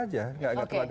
di atas dari kebijakannya